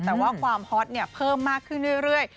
แต่ว่าความฮอตเพิ่มมากขึ้นเรื่อย